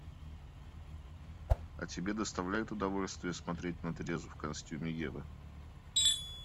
А тебе доставляет удовольствие смотреть на Терезу в костюме Евы...